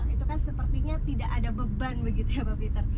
itu kan sepertinya tidak ada beban begitu ya pak peter